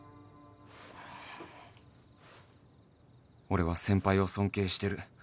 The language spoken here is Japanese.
俺は先輩を尊敬してる。